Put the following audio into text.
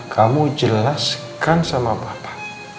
kamu jelaskan sama papa